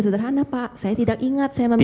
sederhana pak saya tidak ingat saya